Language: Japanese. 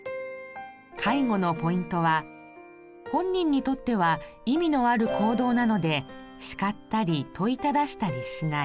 介護のポイントは本人にとっては意味のある行動なので叱ったり問いただしたりしない。